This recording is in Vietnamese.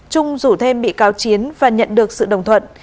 trung rủ thêm bị cáo chiến và nhận được sự đồng thuận